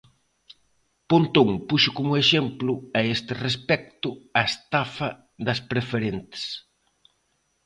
Pontón puxo como exemplo a este respecto a estafa das preferentes.